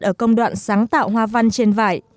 ở công đoạn sáng tạo hoa văn trên vải